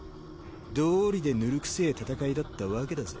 どうりでぬるくせえ戦いだったわけだぜ。